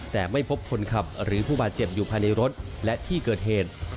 แต่ไม่พบคนขับหรือผู้บาดเจ็บอยู่ภายในรถและที่เกิดเหตุ